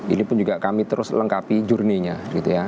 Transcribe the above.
ini pun juga kami terus lengkapi jurninya gitu ya